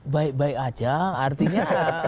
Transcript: baik baik saja artinya